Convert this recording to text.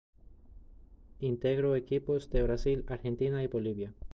Integro equipos de Brasil, Argentina y Bolivia.